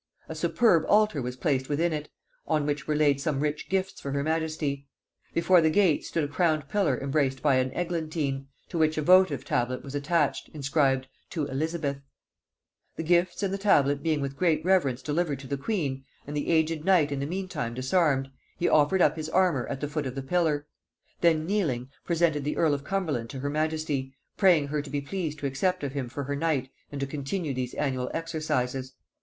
A superb altar was placed within it, on which were laid some rich gifts for her majesty. Before the gate stood a crowned pillar embraced by an eglantine, to which a votive tablet was attached, inscribed "To Elizabeth:" The gifts and the tablet being with great reverence delivered to the queen, and the aged knight in the meantime disarmed, he offered up his armour at the foot of the pillar; then kneeling, presented the earl of Cumberland to her majesty, praying her to be pleased to accept of him for her knight and to continue these annual exercises.